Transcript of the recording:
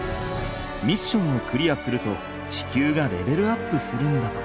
ミッションをクリアすると地球がレベルアップするんだとか。